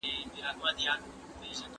د احتیاج په ورځ د هر سړي غلام وي